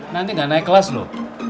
nanti gak naik kelas loh